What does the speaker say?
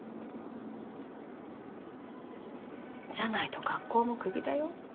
じゃないと学校もクビだよ。